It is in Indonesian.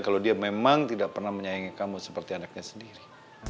kalau dia memang tidak pernah menyayangi kamu seperti anaknya sendiri